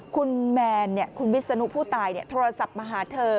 คุณแมนคุณวิศนุผู้ตายโทรศัพท์มาหาเธอ